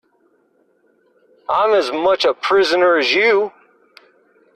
I'm as much a prisoner as you.